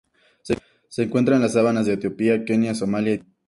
Se encuentra en las sabanas de Etiopía, Kenia, Somalia y Tanzania.